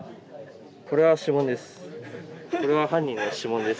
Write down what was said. これは指紋です。